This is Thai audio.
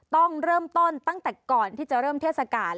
ต้องเริ่มต้นตั้งแต่ก่อนที่จะเริ่มเทศกาล